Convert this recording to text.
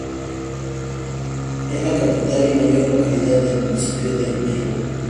Es la capital y mayor localidad del municipio de Nyborg.